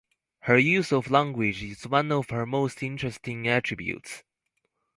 Her use of language is one of her most interesting attributes.